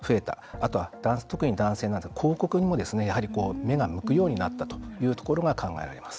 あとは、特に男性なんですけど広告にも、やはり目が向くようになったというところが考えられます。